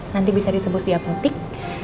nanti bisa ditembus di apotek